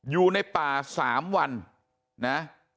อยู่ในป่า๓วันนะ